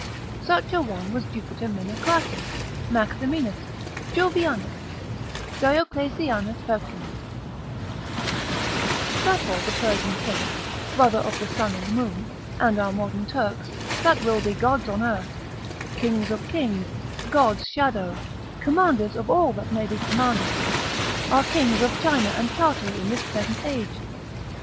Such a one was Jupiter Menecrates, Maximinus, Jovianus, Dioclesianus Herculeus, Sapor the Persian king, brother of the sun and moon, and our modern Turks, that will be gods on earth, kings of kings, God's shadow, commanders of all that may be commanded, our kings of China and Tartary in this present age.